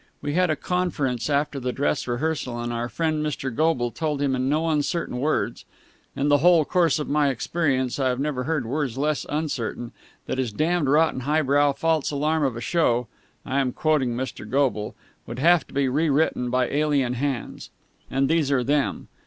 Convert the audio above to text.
We had a conference after the dress rehearsal, and our friend Mr. Goble told him in no uncertain words in the whole course of my experience I have never heard words less uncertain that his damned rotten high brow false alarm of a show I am quoting Mr. Goble would have to be rewritten by alien hands. And these are them!